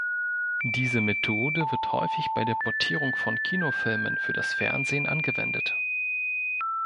Diese Methode wird häufig bei der Portierung von Kinofilmen für das Fernsehen angewendet.